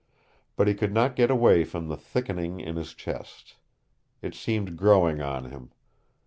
But he could not get away from the thickening in his chest. It seemed growing on him.